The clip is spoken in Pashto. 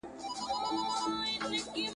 سوداګر ته پیر ویله چي هوښیار یې ..